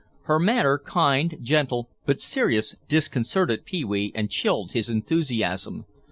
Her manner, kind, gentle, but serious, disconcerted Pee wee and chilled his enthusiasm.